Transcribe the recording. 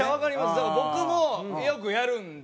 だから僕もよくやるんですよ。